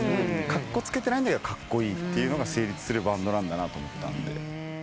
カッコつけてないんだけどカッコイイっていうのが成立するバンドなんだなと思ったんで。